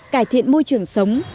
cải thiện môi trường sống